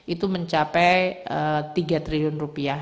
itu mencapai rp tiga triliun